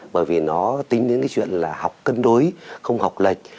bởi vì nó tính đến cái chuyện là học cân đối không học lệch